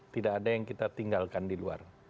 tidak ada yang kita tinggalkan di luar